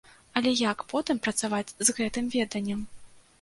Але як потым працаваць з гэтым веданнем?